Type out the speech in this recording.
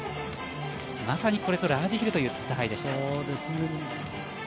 まさにこれぞラージヒルという戦いでした。